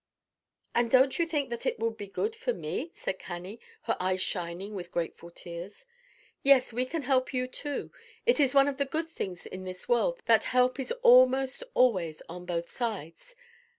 "And don't you think that it will be good for me?" said Cannie, her eyes shining with grateful tears. "Yes; we can help you too. It is one of the good things in this world that help is almost always on both sides.